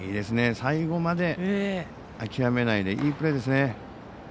最後まで、諦めないでいいプレーですね。